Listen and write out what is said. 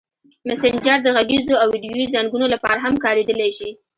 مسېنجر د غږیزو او ویډیويي زنګونو لپاره هم کارېدلی شي.